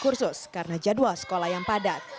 kursus karena jadwal sekolah yang padat